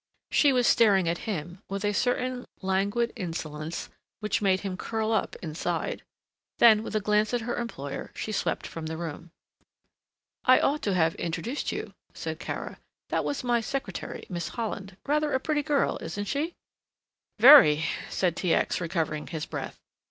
She was staring at him with a certain languid insolence which made him curl up inside. Then with a glance at her employer she swept from the room. "I ought to have introduced you," said Kara. "That was my secretary, Miss Holland. Rather a pretty girl, isn't she?" "Very," said T. X., recovering his breath.